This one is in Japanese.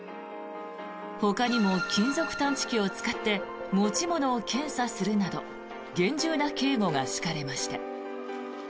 ほかにも金属探知機を使って持ち物を検査するなど厳重な警護が敷かれました。